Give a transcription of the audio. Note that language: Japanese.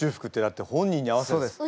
だって本人に合わせて。